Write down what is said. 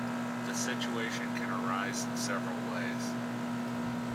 The situation can arise in several ways.